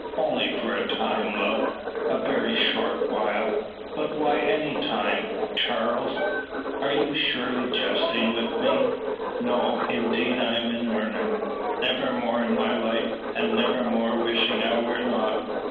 "Only for a time, love; a very short while." "But why any time? Charles; you are surely jesting with me?" "No, indeed. I am in earnest. Never more in my life, and never more wishing I were not.